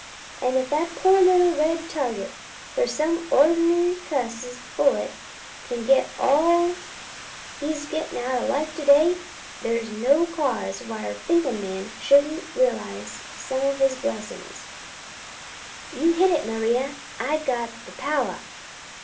If that poor little red target for some ornery cuss's bullet can get all he's getting out o' life to day, there's no cause why a reasonin' thinkin' man shouldn't realize some o' his blessings. You hit it, Maria; I got the power.